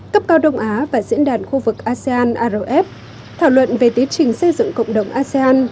cấp cao đông á và diễn đàn khu vực asean rf thảo luận về tiến trình xây dựng cộng đồng asean